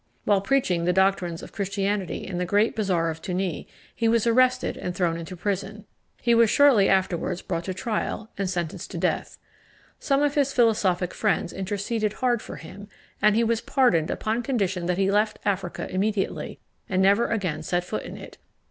While preaching the doctrines of Christianity in the great bazaar of Tunis, he was arrested and thrown into prison. He was shortly afterwards brought to trial, and sentenced to death. Some of his philosophic friends interceded hard for him, and he was pardoned upon condition that he left Africa immediately and never again set foot in it.